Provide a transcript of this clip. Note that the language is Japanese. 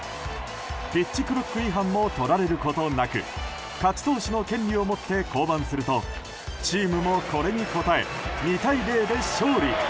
ピッチクロック違反もとられることなく勝ち投手の権利を持って降板するとチームもこれに応え２対０で勝利。